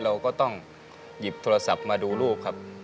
เราก็ต้องหยิบโทรศัพท์มาดูลูกครับ